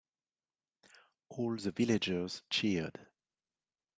All the villagers cheered.